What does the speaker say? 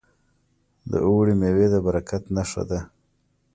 د اوړي میوې د برکت نښه ده.